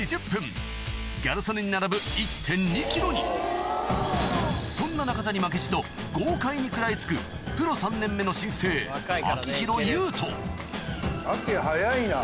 ギャル曽根に並ぶそんな中田に負けじと豪快に食らいつくアキ早いな。